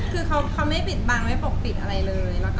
คือเขาไม่ปิดบังไม่ปกปิดอะไรเลย